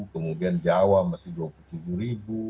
kemudian jawa masih dua puluh tujuh ribu